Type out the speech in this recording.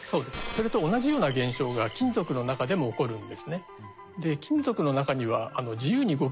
それと同じような現象が金属の中でも起こるんですね。